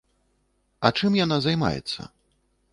А чым яна займаецца?